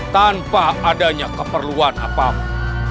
tanpa adanya keperluan apapun